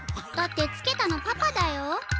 だってつけたのパパだよ。